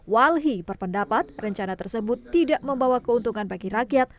walhi berpendapat rencana tersebut tidak membawa keuntungan bagi rakyat